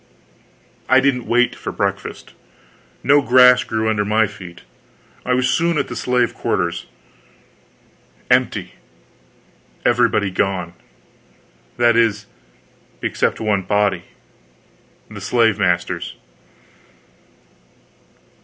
I didn't wait for breakfast. No grass grew under my feet. I was soon at the slave quarters. Empty everybody gone! That is, everybody except one body the slave master's.